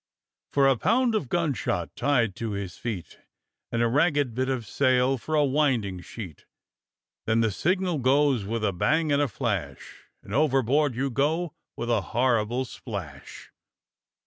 " For a pound of gunshot tied to his feet, And a ragged bit of sail for a winding sheet; Then the signal goes \\Tth a bang and a flash. And overboard you go with a horrible splash.